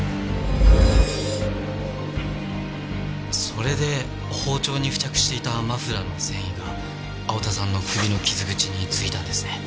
それで包丁に付着していたマフラーの繊維が青田さんの首の傷口に付いたんですね。